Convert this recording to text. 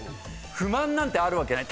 不満なんてあるわけない。